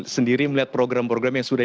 sendiri melihat program program yang sudah